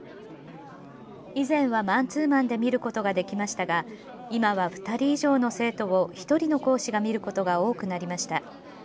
以前は、マンツーマンで見ることができましたが今は２人以上の生徒を１人の講師が見ることが多くなりました。